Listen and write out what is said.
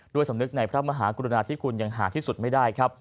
ด้วยสำนึกในพระมหากุฐนาติธิคุณยังหากที่สุดไม่ได้